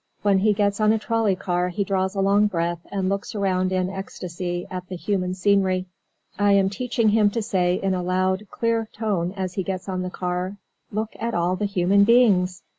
When he gets on a trolley car he draws a long breath and looks around in ecstasy at the human scenery. I am teaching him to say in a loud, clear tone, as he gets on the car, "Look at all the human beings!"